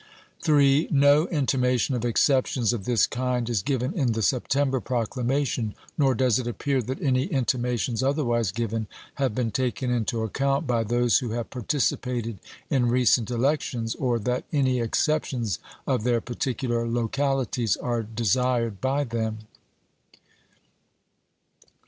3. No intimation of exceptions of this kind is given in the September proclamation, nor does it appear that any intimations otherwise given have been taken into account by those who have participated in recent elections, or that any exceptions of their particular localities are desired by them.